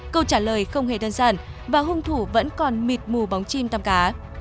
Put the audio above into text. câu trả lời không hề đơn giản và hung thủ vẫn còn mịt mù bóng chim tăm cá